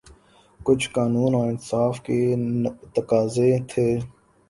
کچھ قانون اور انصاف کے تقاضے تھے۔